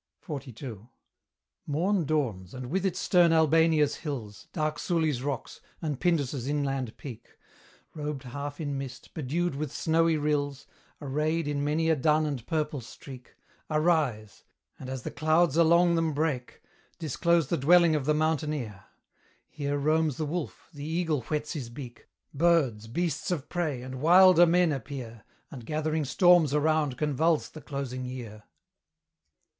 XLII. Morn dawns; and with it stern Albania's hills, Dark Suli's rocks, and Pindus' inland peak, Robed half in mist, bedewed with snowy rills, Arrayed in many a dun and purple streak, Arise; and, as the clouds along them break, Disclose the dwelling of the mountaineer; Here roams the wolf, the eagle whets his beak, Birds, beasts of prey, and wilder men appear, And gathering storms around convulse the closing year.